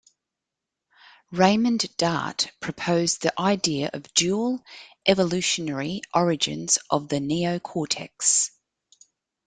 Raymond Dart proposed the idea of dual evolutionary origins of the neocortex.